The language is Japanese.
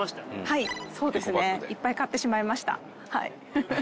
はいそうですねいっぱい買ってしまいました。